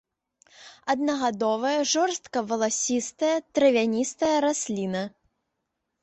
Аднагадовая жорстка валасістая травяністая расліна.